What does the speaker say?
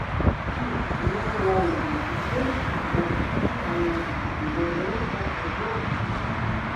Ĉu Monato laŭ vi sukcesis adaptiĝi al la interreta epoko?